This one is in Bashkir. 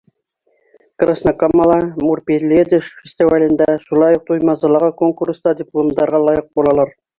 Краснокамала «Мурпеледыш» фестивалендә, шулай уҡ Туймазылағы конкурста дипломдарға лайыҡ булалар.